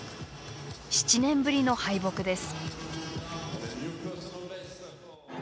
７年ぶりの敗北です。